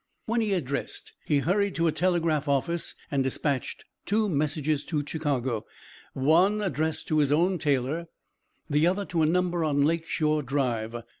When he had dressed he hurried to a telegraph office and dispatched two messages to Chicago, one addressed to his own tailor, the other to a number on Lake Shore Drive.